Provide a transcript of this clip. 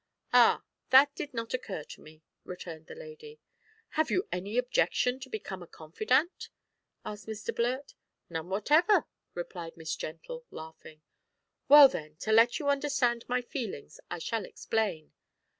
"Ah! that did not occur to me," returned the lady. "Have you any objection to become a confidante?" asked Mr Blurt. "None whatever," replied Miss Gentle, laughing. "Well, then, to let you understand my feelings, I shall explain.